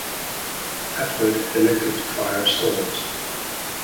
Atwood elected to fire Storms.